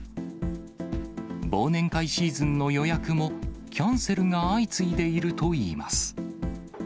忘年会シーズンの予約も、キャンセルが相次いでいるといいます。